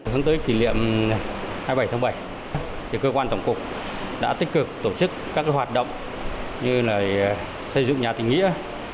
hướng tới kỷ niệm hai mươi bảy tháng bảy cơ quan tổng cục đã tích cực tổ chức các hoạt động như xây dựng nhà tình nghĩa